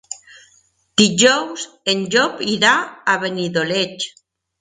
Dijous en Llop irà a Benidoleig.